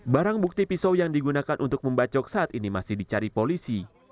barang bukti pisau yang digunakan untuk membacok saat ini masih dicari polisi